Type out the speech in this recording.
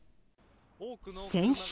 先週。